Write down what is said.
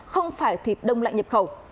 không phải thịt đông lạnh nhập khẩu